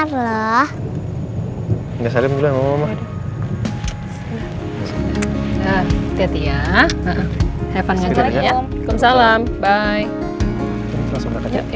siki kamu denger gak suara aku